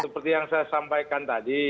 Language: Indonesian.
saya sampaikan tadi